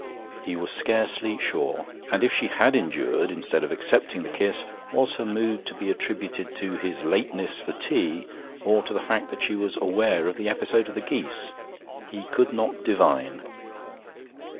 He was scarcely sure. And if she had endured instead of accepting the kiss, was her mood to be attributed to his lateness for tea, or to the fact that she was aware of the episode of the geese? He could not divine.